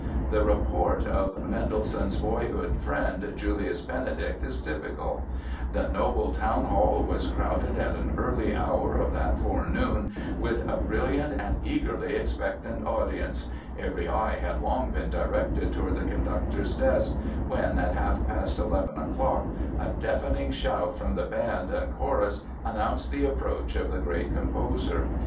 The report of Mendelssohn's boyhood friend, Julius Benedict, is typical: "The noble Town Hall was crowded at an early hour of that forenoon with a brilliant and eagerly expectant audience.... Every eye had long been directed toward the conductor's desk, when, at half past eleven o'clock, a deafening shout from the band and chorus announced the approach of the great composer.